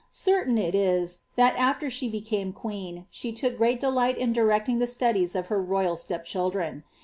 CcfUin it is, that afler she became quee)), she touk great delight in tiireciing the studies of her royal step children.